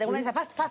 パス！